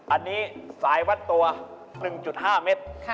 อันนี้สายวัดตัว๑๕เมตร